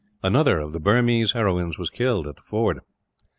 Another of the Burmese heroines was killed, at the ford.